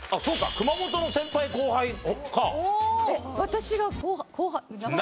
熊本の先輩後輩か。